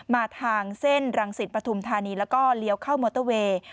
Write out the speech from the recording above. มาทางเส้นรังสิตปฐุมธานีแล้วก็เลี้ยวเข้ามอเตอร์เวย์